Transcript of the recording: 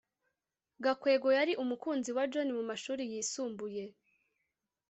gakwego yari umukunzi wa john mumashuri yisumbuye